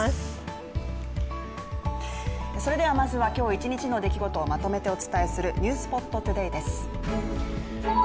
それではまずは今日一日の出来事をまとめてお伝えする「ｎｅｗｓｐｏｔＴｏｄａｙ」です。